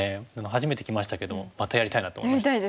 初めて着ましたけどもまたやりたいなと思いました。